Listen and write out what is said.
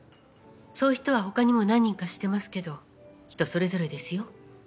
そういう人は他にも何人か知ってますけど人それぞれですよ。